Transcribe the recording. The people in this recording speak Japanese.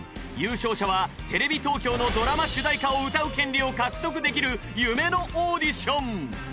優勝者はテレビ東京のドラマ主題歌を歌う権利を獲得できる夢のオーディション。